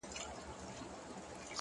هر منزل د صبر غوښتنه کوي